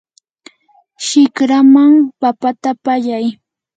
shikraman papata pallay.